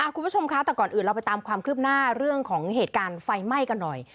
คุณผู้ชมคะแต่ก่อนอื่นเราไปตามความคืบหน้าเรื่องของเหตุการณ์ไฟไหม้กันหน่อย